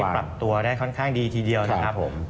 ปรับตัวได้ค่อนข้างดีทีเดียวนะครับผม